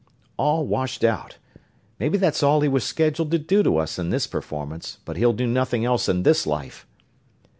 All washed out! Maybe that's all he was scheduled to do to us in this performance, but he'll do nothing else in this life!"